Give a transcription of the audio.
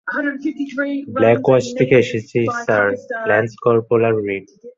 Black Watch থেকে এসেছি sir, lance corporal read.